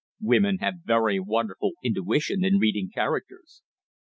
"Women have wonderful intuition in reading characters."